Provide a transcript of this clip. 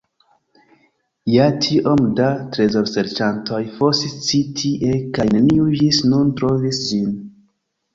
Ja, tiom da trezorserĉantoj fosis ci tie kaj neniu ĝis nun trovis ĝin.